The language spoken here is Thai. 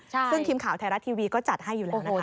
ซึ่งทีมข่าวไทยรัฐทีวีก็จัดให้อยู่แล้วนะคะ